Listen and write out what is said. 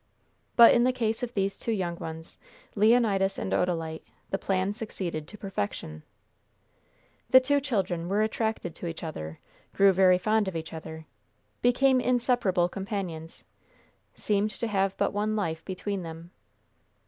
But in the case of these two young ones, Leonidas and Odalite, the plan succeeded to perfection. The two children were attracted to each other, grew very fond of each other, became inseparable companions seemed to have but one life between them.